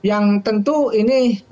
kandang banteng ini ya harus dipertahankan